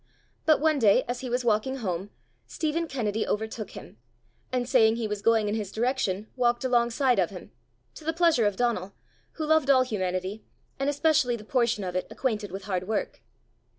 But one day as he was walking home, Stephen Kennedy overtook him, and saying he was going in his direction, walked alongside of him to the pleasure of Donal, who loved all humanity, and especially the portion of it acquainted with hard work.